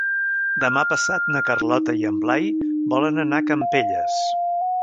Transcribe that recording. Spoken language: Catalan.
Demà passat na Carlota i en Blai volen anar a Campelles.